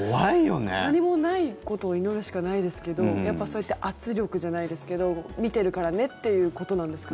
何もないことを祈るしかないですけどやっぱり、それって圧力じゃないですけど見てるからねっていうことなんですか？